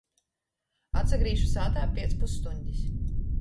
Atsagrīzšu sātā piec pusstuņdis.